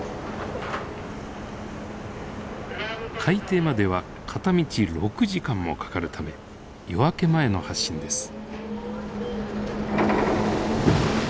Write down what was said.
海底までは片道６時間もかかるため夜明け前の発進です。